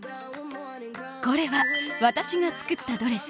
これは私が作ったドレス。